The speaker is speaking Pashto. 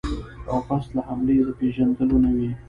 او پس له حملې د پېژندلو نه وي.